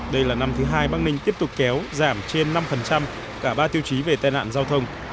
đây là năm thứ hai bắc ninh tiếp tục kéo giảm trên năm cả ba tiêu chí về tai nạn giao thông